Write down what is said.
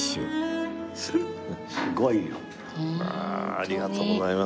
ありがとうございます。